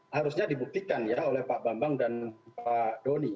harusnya dibuktikan ya oleh pak bambang dan pak doni